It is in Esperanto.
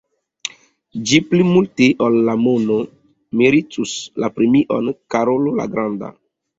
Ĝi pli multe ol la mono meritus la premion Karolo la Granda.